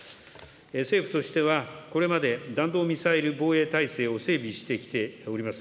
政府としては、これまで、弾道ミサイル防衛体制を整備してきております。